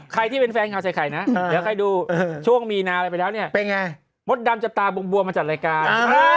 ใครที่เป็นแฟนข่าวใส่ไข่นะเดี๋ยวใครดูช่วงมีนาอะไรไปแล้วเนี่ยมดดำจะตาบวมมาจัดรายการ